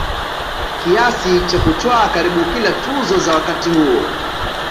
kiasi cha kutwaa karibu kila tuzo za wakati huo